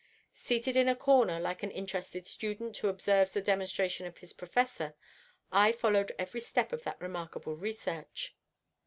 Seated in a corner like an interested student who observes the demonstration of his professor, I followed every step of that remarkable research.